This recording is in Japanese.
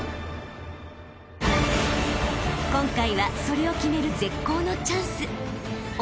［今回はそれを決める絶好のチャンス］